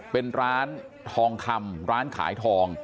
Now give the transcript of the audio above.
เป็นร้านทองคำร้านขายทอง